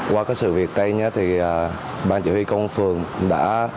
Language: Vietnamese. qua cái sự việc đây nhé thì ban chỉ huy công an phường đã